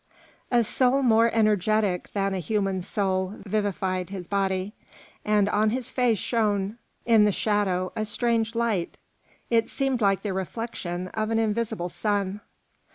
A soul more energetic than a human soul vivified his body, and on his face shone in the shadow a strange light. It seemed like the reflection of an invisible sun.